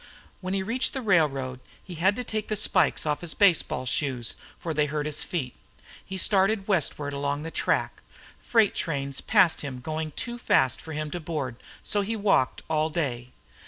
When he reached the railroad he had to take the spikes off his baseball shoes, for they hurt his feet. He started westward along the track. Freight trains passed him going too fast for him to board, so he walked all day.